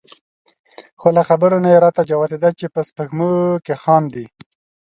خو له خبرو نه یې را جوتېده چې په سپېږمو کې خاندي.